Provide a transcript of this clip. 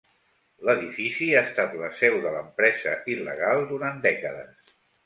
L'edifici ha estat la seu de l'empresa il·legal durant dècades.